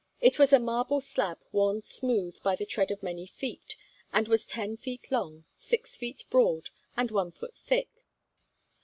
It was a marble slab worn smooth by the tread of many feet, and was ten feet long, six feet broad, and one foot thick.